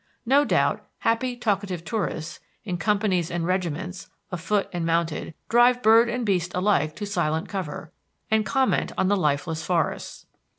No doubt, happy talkative tourists, in companies and regiments, afoot and mounted, drive bird and beast alike to silent cover and comment on the lifeless forests.